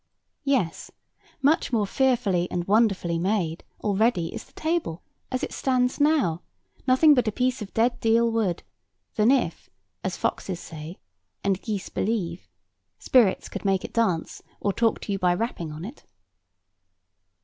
Yes; much more fearfully and wonderfully made, already, is the table, as it stands now, nothing but a piece of dead deal wood, than if, as foxes say, and geese believe, spirits could make it dance, or talk to you by rapping on it.